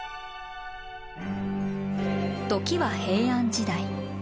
時は平安時代。